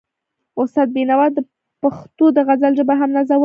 استاد بينوا د پښتو د غزل ژبه هم نازوله.